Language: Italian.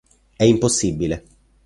È impossibile".